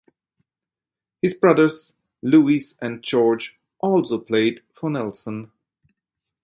His brothers Louis and George also played for Nelson.